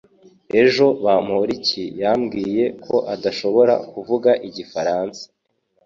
Ejo Bamoriki yambwiye ko adashobora kuvuga igifaransa